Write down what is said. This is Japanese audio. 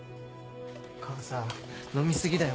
母さん飲み過ぎだよ